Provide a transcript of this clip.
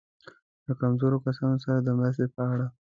له کمزورو کسانو سره د مرستې په اړه.